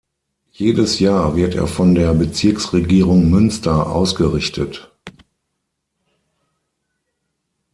Jedes Jahr wird er von der Bezirksregierung Münster ausgerichtet.